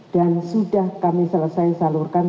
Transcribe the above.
dan sudah kami selesai salurkan